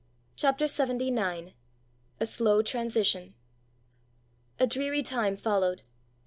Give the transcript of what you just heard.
CHAPTER LXXIX. A SLOW TRANSITION. A dreary time followed.